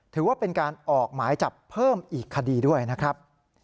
ถือว่าเป็นการออกหมายจับเพิ่มอีกคดีด้วยนะครับ